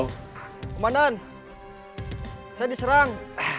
komandan saya diserang